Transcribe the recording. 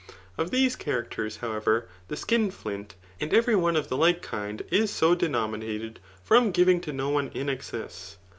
Of diese characters, however, the skinflint, and every one of the like kind, is so denominated from giving to no one &a excess.